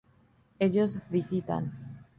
Ellos visitan